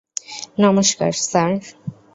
নমষ্কার, sir.